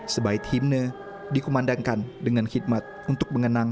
sebaik himne dikumandangkan dengan khidmat untuk mengenang